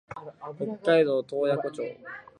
北海道洞爺湖町